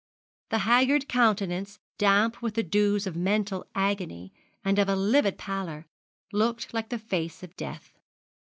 The haggard countenance, damp with the dews of mental agony, and of a livid pallor, looked like the face of death.